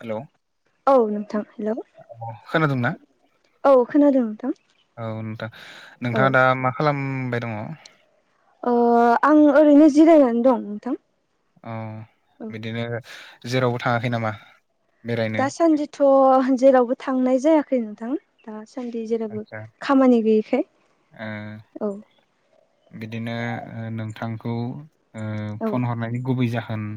हेल' औ औ नोंथां हेलौ खोनादोंना? औ खोनादों नोंथां औ नोंथां औ नोंथाङा दा मा खालामबाय दङ? ओ आं ओरैनो जिरायनानै दं नोंथां। अ औ बिदिनो जेरावबो थाङाखै नामा? बेरायनो? दासान्दिथ' जेरावबो थांनाय जायाखै नोंथां। दासान्दि जेरावबो आदसा खामानि गैयिखाय ओ औ बिदिनो ओ नोंथांखौ ओ औ फन हरनायनि गुबै जाहोन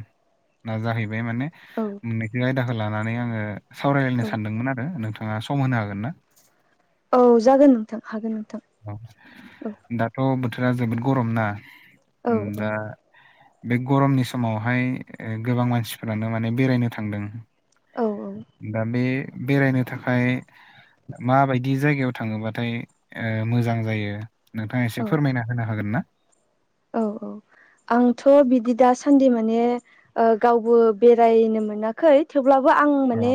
ना जाहैबाय माने औ मोननैसो आयदाखो लानानै आङो सावरायलायनो औ सानदोंमोन आरो नोंथाङा सम होनो हागोनना? औ जागोन नोंथां हागोन नोंथां औ अ दाथ' बोथोरा जोबोद गरमना औ उम दा बे गरमनि समावहाय ओ गोबां मानसिफोरानो माने बेरायनो थांदों। औ औ दा बे बेरायनो थाखाय माबायदि जायगायाव थाङोबाथाय मोजां जायो नोंथाङा एसे औ फोरमायना होनो हागोन ना औ औ आंथ' बिदि दासान्दि माने गावबो बेरायनो मोनाखै थांडाखै थेवब्लाबो आं औ माने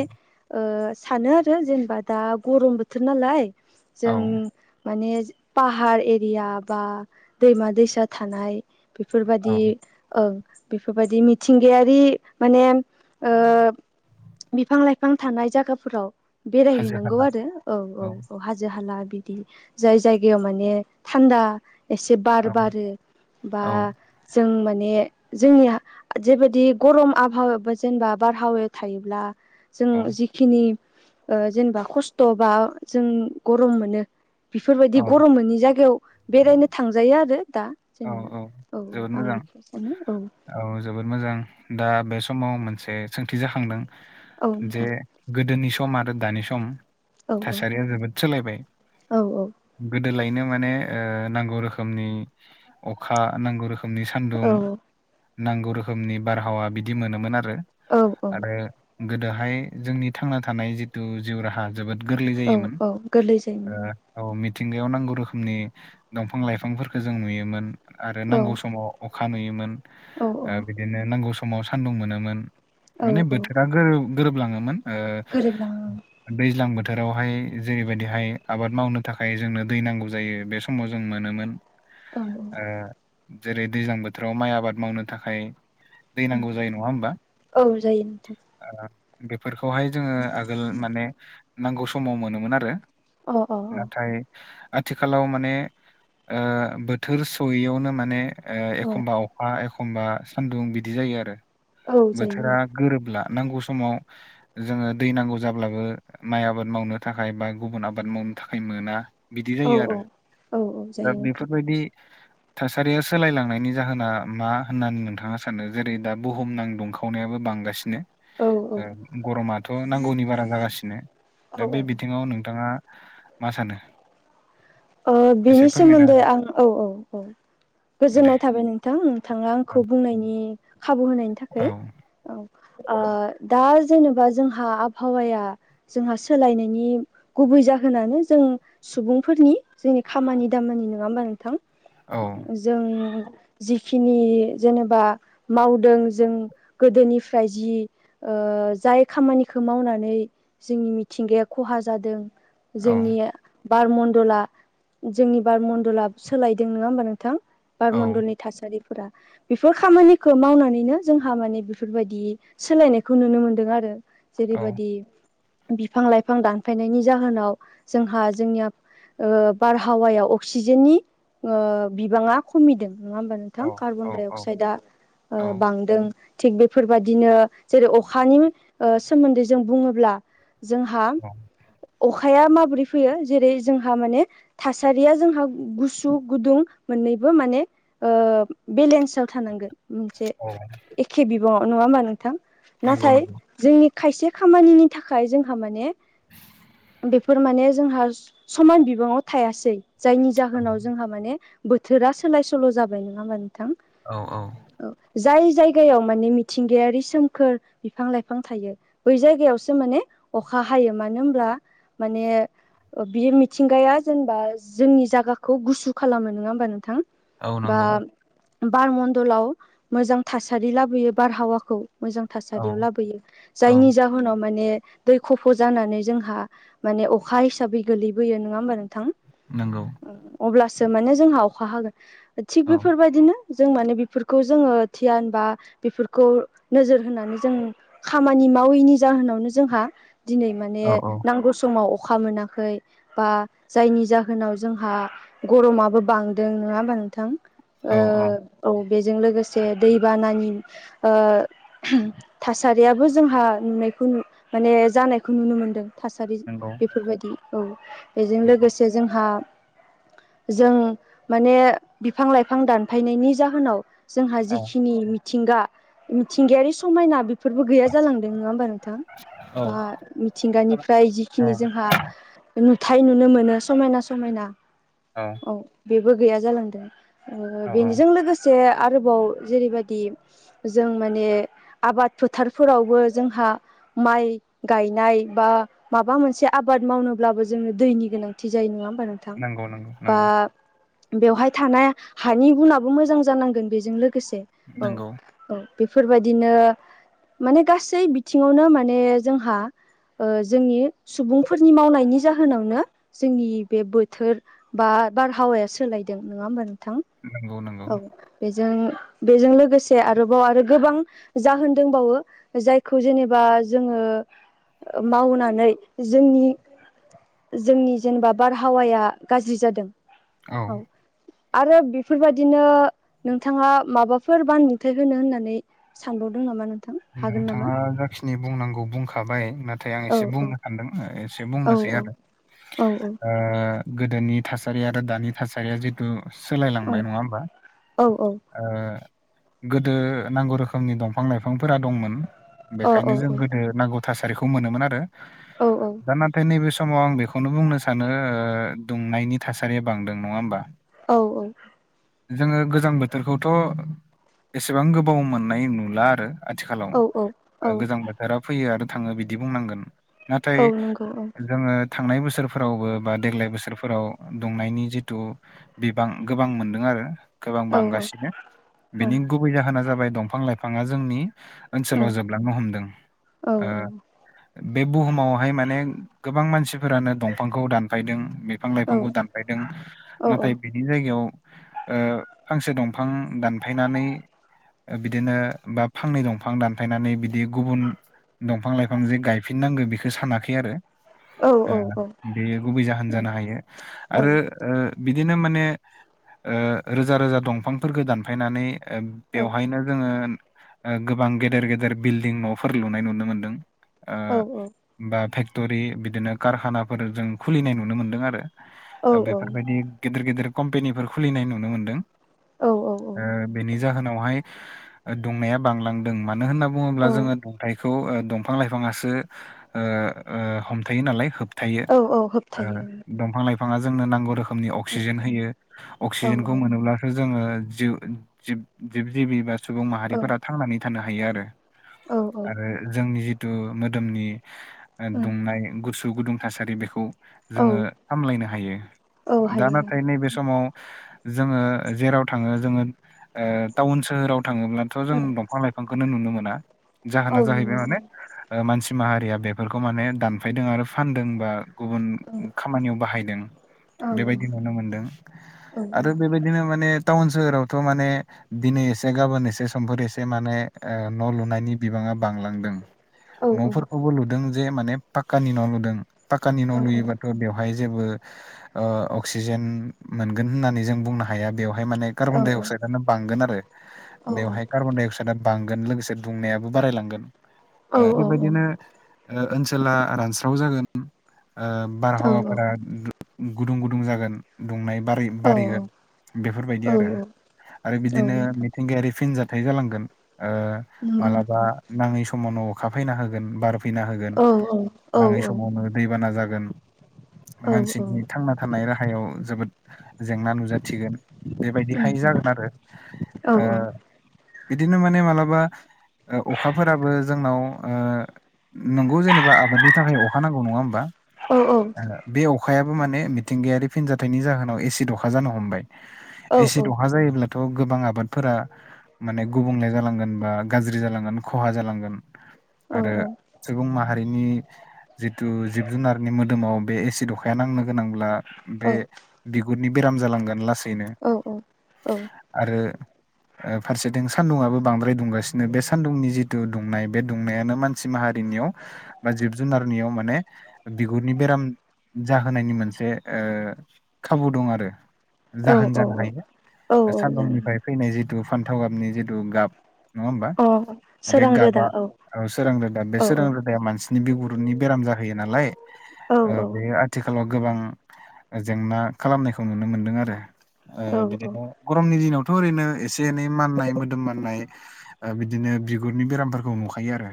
सानो आरो जेनेबा दा गरम बोथोर नालाय औ जों माने पाहार एरिया बा दैमा दैसा थानाय औ बेफोरबायदि बेफोरबायदि मिथिंगायारि माने बिफां लाइफां थानाय जायगाफोराव हाजो बेरायहैनांगौ हाला आरो औ औ औ हाजो हाला जाय जायगायाव माने थान्दा एसे बार औ बारो बा औ जों माने जोंनिया जेबायदि गरम आबहावायाव बा जेनेबा बारहावायाव थायोब्ला जों औ जिखिनि जेनेबा खस्थ' बा जों गरम मोनो बेफोरबायदि औ गरम मोननि जायगायाव बेरायनो थांजायो आरो दा औ औ जेनेबा जोबोद आं मोजां बेखौ सानो औ औ जोबोद मोजां दा बे समाव मोनसे सोंथि जाखांदों औ जे नोंथां गोदोनि सम आरो दानि सम औ थासारिया जोबोद सोलायबाय औ गोदोलायनो माने नांगौ रोखोमनि अखा नांगौ रोखोम रोखोमनि सान्दुं नांगौ रोखोमनि बारहावा बिदि मोनोमोन आरो औ औ आरो गोदोहाय जोंनि थांना थानाय जिथु जिउ राहा जोबोद गोरलै औ जायोमोन औ गोरलै जायोमोन औ मिथिंगायाव नांगौ रोखोमनि दंफां लाइफांफोरखौ जों नुयोमोन आरो औ नांगौ समाव अखा नुयोमोन औ बिदिनो नांगौ समाव सान्दुं मोनोमोन औ माने औ बोथोरा गोरोबलाङोमोन ओ गोरोबलाङो ओं दैज्लां बोथोरावहाय जेरैबायदिहाय आबाद मावनो थाखाय जोंनो दै नांगौ जायो बे सम समाव जों मोनोमोन औ जेरै दैज्लां बोथोराव माइ आबाद मावनो थाखाय दै नांगौ जायो नङा होमबा औ जायो नोंथां बेफोरखौहाय जोङो आगोल माने नांगौ समाव मोनोमोन आरो अ अ नाथाय आथिखालाव माने बोथोर सयैयावनो माने अ औ एखमबा अखा एखब एखमबा सान्दुं बिदि जायो आरो औ जायो बोथोरा गोरोबला नांगौ समाव जोङो दै नांगौ जाब्लाबो माइ आबाद मावनो थाखाय बा गुबुन आबाद मावनो थाखाय मोना बिदि औ जायो औ आरो औ दा जायो नोंथां बेफोरबायदि थासारिया सोलायलांनायनि जाहोना मा होननानै नोंथाङा सानो जेरै दा बुहुम नां दुंखाव खावनायाबो बांगासिनो औ औ गरमाथ' नांगौनि बारा जागासिनो औ दा बे औ बिथिङाव नोंथाङा मा सानो एसे बिनि फोरमायना सोमोन्दै होदो आं औ औ औ दे गोजोननाय था बाय नोंथां नोंथाङा औ आंखौ बुंनायनि खाबु होनायनि औ थाखाय औ दा जेनेबा जोंहा आबहावाया जोंहा सोलायनायनि गुबै जाहोनानो जों सुबुंफोरनि जोंनि खामानि दामानि नङा होमबा नोंथां औ जों जिखिनि जेनेबा मावदों जों गोदोनिफ्राय जि जाय खामानिखौ मावनानै जोंनि मिथिंगाया खहा जादों औ जोंनि बार मण्डला जोंनि बार मण्डला सोलायदों नङा होमबा नोंथां औ बारमण्डलनि थासारिफोरा बेफोर खामानिखौ मावनानैनो जोंहा माने बेफोरबायदि सोलायनायखौ नुनो मोनदों आरो औ जेरैबायदि बिफां लाइफां दानफायनायनि जाहोनाव जोंहा जोंनिया ओ बारहावायाव अक्सिजेननि बिबाङा खमिदों नङा होमबा नों औ थां कार्बनडाइ औ अक्साइदा ओ बांदों थिग बेफोरबाददिनो जेरै अखानि सोमोन्दै जों बुङोब्ला जोंहा औ अखाया माबोरै फैयो जेरै जों जोंहा माने थासारिया जोंहा गुसु गुदुं मोननैबो माने ओ बेलेन्स थानांगोन मोनसे औ एखे बिबाङाव नङा होमबा नोंथां ना नंगौ नंगौ जोंनि खायसे खामानिनि थाखाय जोंहा माने बेफोर माने जोंहा समान बिबाङाव थायासै जायनि औ जाहोनाव जोंहा माने बोथोरा सोलाय सोल' जाबाय नङा होमबा नोंथां औ औ औ जाय जायगायाव माने मिथिंगायारि सोमखोर बिफां लाइफां थायो बै जायगायावसो माने अखा हायो मानो होमब्ला माने बेयो मिथिंगाया जेनेबा जोंनि जायगाखौ गुसु खालामो नङा होमबा नोंथां औ बा नंगौ बार मडण्लाव मोजां थासारि लाबोयो बारहावाखौ मोजां औ थासारियाव लाबोयो औ जायनि जा उनाव माने दै खफ' जानानै जोंहा माने अखा हिसाबै गोलैबोयो नोङा होमबा नोंथां नोंगौ अब्लासो माने जोंहा अखा हागोन थिग औ बेफोरबायदिनो जों माने बेफोरखौ जोङो दियान बा बेफोरखौ नोजोर होनानै जों खामानि मावैनि जाहोनावनो जोंहा दिनै माने औ औ नांगौ समाव अखा मोनाखै बा जायनि जाहोनाव जोंहा गरमाबो बांदों नङा हबा नोंथां ओ औ बेजों लोगोसे दैबानानि ओ थासारियाबो जोंहा नुनायखौ माने जानायखौ नुनो मोनदों थासारि नंगौ बेफोरबायदि औ बेजों नंगौ लोगोसे जोंहा जों माने बिफां लाइफां दानफायनायनि जाहोनाव जोंहा औ जिखिनि मिथिंगा मिथिंगायारि समायना बेफोरबो गैया जालांदों नङा होमबा नोंथां औ बा मिथिंगानिफ्राय जिखिनि जोंहा नुथाय नुनो मोनो समायना समायना औ बेबो गैया जालांदों औ बेजों लोगोसे आरोबाव जेरैबायदि जों माने आबाद फोथारफोरावबो जोंहा माइ गायनाय बा माबा मोनसे आबाद मावनो अब्लाबो जोङो दैनि गोनांथि जायो नङा होमबा नोंथां नंगौ नंगौ बा नंगौ बेवहाय थानाय हानि गुनाबो मोजां जानांगोन बेजों लोगोसे औ नंगौ औ बेफोरबायदिनो माने गासै बिथिङावनो माने जोंहा ओ जोंनि सुबुंफोरनि मावनाय बिनि जाहोनावनो जोंनि बे बोथोर बा बारहावाया सोलायदों नङा होमबा नोंथां नंगौ नंगौ औ बेजों बेजों लोगोसे आरोबाव आरो गोबां जाहोन दोंबावो जायखौ जेनेबा जोङो मावनानै जोंनि जोंनि जेनेबा बारहावाया गाज्रि जादों औ आरो बेफोरबायदिनो नोंथाङा माबाफोर बाबुंथाय होनो होननानै सानबावदों नामा नों नोंथाङा जाखिनि बुंनांगौ बुंखाबाय ना थाय आं औ एसे औ बुंनो सानदों एसे औ बुंनोसै औ आरो औ ओ गोदोनि थासारि आरो दानि थासारिया जिथु औ सोलायलांबाय नङा होमबा औ औ ओ गोदो नांगौ रोखोमनि दंफां लाइफांफोरा दंमोन। औ बेखायनो जों गोदो नांगौ थासारिखौ मोनोमोन आरो। औ औ। दा नाथाय नैबे समाव आं बेखौनो बुंनो सानो ओ दुंनायनि थासारिया बांदों। नङा होमबा? औ औ। जोङो गोजां बोथोरखौथ' एसेबां गोबाव मोननाय नुला आरो। आथिखालाव औ औ ओ गोजां बोथोरा फैयो आरो थाङो बिदि बुंनांगोन। नाथाय औ नंगौ जोङो थांनाय बोसोरफोरावबो बा देग्लाय बोसोरफोराव दुंनायनि जिथु बिबां गोबां मोनदों आरो। गोबां औ औ बांगासिनो बिनि गुबै जाहोना जाबाय दंफां लाइफाङा जोंनि ओनसोलाव जोबलांनो हमदों। ओ बे बुहुमावहाय माने गोबां मानसिफोरानो दंफांखौ दानफायदों। बि फां लाइफांखौ दानफायदों ओं नाथाय बिनि जायगायाव ओ फांसे दंफां दानफायनानै ओ बिदिनो बाब फांनै दंफां दानफायनानै बिदि गुबुन दंफां लाइफां जे गायफिननांगो बिखो सानाखै आरो। ओं औ ओ ओं औ बेयो गुबै जाहोन जानो हायो आरो ओ बिदिनो माने ओ रोजा रोजा दंफांफोरखो दानफायनानै ओ बेवहायनो जोङोन ओ गोबां गेदेर गेदेर बिल्डिं न'फोर लुनाय नुनो मोनदों। ओ औ औ बा फेक्ट'रि बिदिनो कारखानाफोर जों खुलिनाय नुनो मोनदों आरो। औ ओ बेफोरबायदि गेदिर गेदिर कम्पेनिफोर खुलिनाय नुनो मोनदों। औ ओ बेनि जाहोनावहाय ओ दुंनाया बांलां दों मानो होनना बुङोब्ला औ जोङो दुथायखौ ओ दंफ फां लाइफाङासो ओ ओ हमथायो नालाय होब थायो औ औ ओ होबथायो दंफां लाइ फाङा जोंनो नांगौ रोखोमनि अक्सिजेन ओम होयो। अक्सिजेनखौ ओम मोनोब्ला सो जोङो जिउ जिब जिब जिबि बा सुबुं औ माहारिफोरा थांनानै थानो हायो आरो। औ औ आरो जोंनि जिथु मोदोमनि ओ दुंनाय गुसु गुदुं थासारि बेखौ जोङो ओम औ सामलायनो हायो। औ दा हायो नाथाय नैबे समाव जोङो जेराव थाङो जोङो ओ टाउन सोहोराव थाङोब्लाथ' जों ओम दफां लाइफांखोनो नुनो मोना औ जाहोना जाहैबाय नोंनाव माने ओ मानसि माहारिया बेफोरखो माने दानफायदों आरो फानदों बा गुबुन खामानियाव बाहायदों औ बेबायदि नुनो मोनदों औ आरो बेबाय दिनो माने टाउन सोहोरावथ' माने दिनै एसे गाबोन एसे समफोर एस से माने ओ न' लुनायनि बिबाङा बांलांदों। औ न'फोरखौबो लुदों जे माने पाकानि न' लुदों पाकानि न' लुयोबाथ थ' बेवहाय जेबो ओ अक्सिजेन मोनगोन होननानै जों बुंनो हाया बेवहाय माने कार्बन डाइ अक्साइडनो बांगोन आरो बेवहाय कार्बन डाइ अक्साइदा बांगोन लोगोसे दुंनायाबो बारायलांगोन। ओ औ बेबायदिनो ओ ओनसोला रानस्राव जागोन ओ बारहावाफोरा गुदुं गुदुं जागोन दुंनाय बारै बारिगोन बेफोरबायदि औ आरो आरो बिदिनो नोंथां मिथिंगायारि फिनजा थाय जालांगोन ओ नंगौ मालाबा नोंथां नाङै समावनो अखा फायना होगोन बार फैना होगोन औ औ नाङै समावनो दैबाना जागोन औ उम मानसिनि थांना थानाय राहायाव जोबोद जेंना नुजाथिगोन। बेबायदिहाय उम जागोन आरो औ औ ओ बिदिनो माने मालाबा ओ अखाफोराबो जोंनाव ओ नोंगौ जेनेबा आबादनि थाखाय अखा नांगौ नङा होमबा। औ औ ओ बे अखायाबो माने मिथिंगायारि फिनजाथाइनि जाहोनाव एसिड अखा जानो हमबाय। एसिद अखा जायोब्लाथ' गोबां आबादफोरा माने गुबुंले जालांगोन बा गाज्रि जालांगोन खहा जालांगोन आरो सुबुं माहारिनि जिथु जिब जुनारनि मोदोमाव बे एसिड अखाया नांनो गोनांब्ला बे बिगुदनि बेराम जालांगोन लास औ औ औ। आरो ओ फारसेथिं सान्दुङआबो बांद्राय दुंगासिनो बे सान्दुंनि जिथु दुंनाय बे दुंनायानो मानसि माहारिनियाव बा जिब जुनारनियाव माने बिगुरनि बेराम जाहोनायनि मोनसे ओ खाबु दं आरो औ जाहोन जानो औ हायो जागोन सानदुंनिफ्राय फैनाय जिथु फान्थाव गाबनि जिथु गाब नङा होमबा अ बे सोरां रोदा गाबा औ सोरां रोदा बे औ सोरां रोदाया मानसि बिगुरनि बेराम जाहैयो नालाय ओ औ औ बेयो आथिखालाव गोबां जेंना खालामनायखौ नुनो मोनदों आरो ओ औ औ बिदिनो गरमनि दिनावथ' ओरैनो एस एसे एनै माननाय मोदोम माननाय ओ बिदिनो बिगुरनि बेरामफोरखौ नुखायो आरो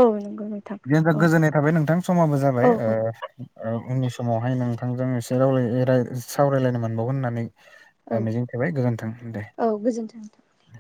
औ नंगौ नोंथां दे होनबा औ गोजोननाय थाबाय नोंथां समाबो जाबाय औ ओ ओ उननि समावहाय नोंथांजों एसे ‌रायलाय राय सावरायलायनो मोनबावगोन होननानै औ मिजिंथिबाय गोजोन्थों दे। औ गोजोन्थों। दे।